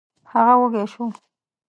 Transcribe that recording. هغه وږی شو.